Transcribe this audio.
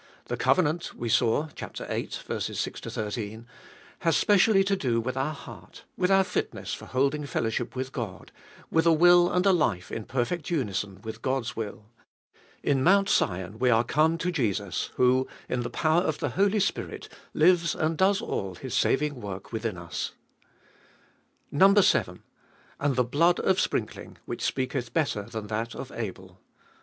The covenant, we saw (viii. 6 13), has specially to do with our heart, with our fitness for holding fellowship with God, with a will and a life in perfect unison with God's will. In Mount Sion we are come to Jesus, who, in the power of the Holy Spirit, lives and does all His saving work within us. 7. And the blood of sprinkling, which speaketh better than that of Abel.